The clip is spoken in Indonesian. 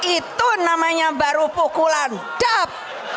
itu namanya baru pukulan dap